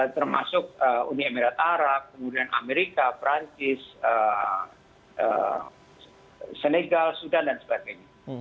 termasuk uni emirat arab kemudian amerika perancis senegal sudan dan sebagainya